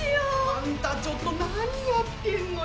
あんたちょっと何やってんのよ！